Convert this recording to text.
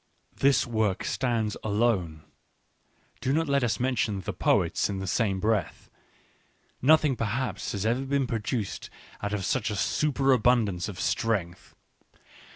This work stands alone. Do not let us mention the poets in the same breath* nothing perhaps has ever been produced out of such a superabundance of strength.